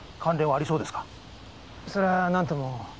それはなんとも。